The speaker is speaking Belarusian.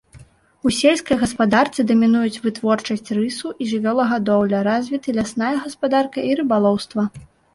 У сельскай гаспадарцы дамінуюць вытворчасць рысу і жывёлагадоўля, развіты лясная гаспадарка і рыбалоўства.